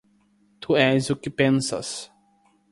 Tu és o que pensas!